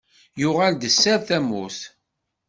Yuɣel-d sser tamurt.